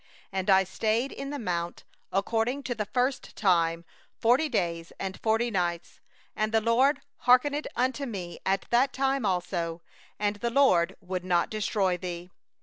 —10Now I stayed in the mount, as at the first time, forty days and forty nights; and the LORD hearkened unto me that time also; the LORD would not destroy thee.